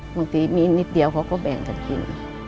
บางทีมีนิดเดียวเขาก็แบ่งกันกิน